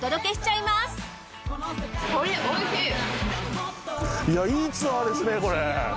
いやいいツアーですねこれ。